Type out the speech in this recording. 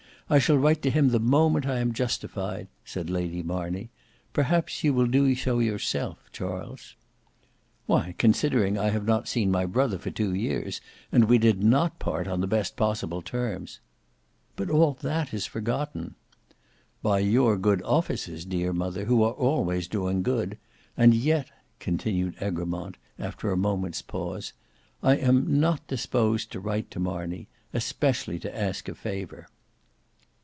I shall write to him the moment I am justified," said Lady Marney, "perhaps you will do so yourself, Charles." "Why, considering I have not seen my brother for two years, and we did not part on the best possible terms—" "But that is all forgotten." "By your good offices, dear mother, who are always doing good: and yet," continued Egremont, after a moment's pause, "I am not disposed to write to Marney, especially to ask a favour."